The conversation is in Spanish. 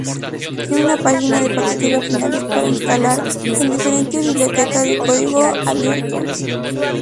Tiene una página de paquetes opcionales para instalar, con diferentes bibliotecas de código abierto.